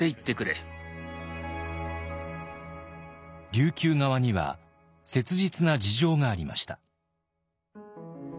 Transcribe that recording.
琉球側には切実な事情がありました。